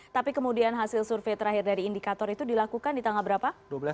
tapi kemudian hasil survei terakhir dari indikator itu dilakukan di tanggal berapa